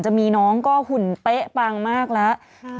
จะมีน้องก็หุ่นเป๊ะปังมากแล้ว